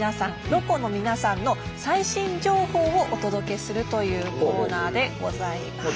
ロコの皆さんの最新情報をお届けするというコーナーでございます。